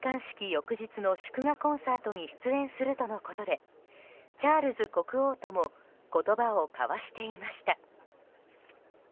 翌日の祝賀コンサートに出演するとのことでチャールズ国王とも言葉を交わしていました。